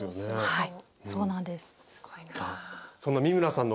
はい。